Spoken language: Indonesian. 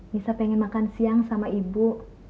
bisa pengen makan siang sama ibu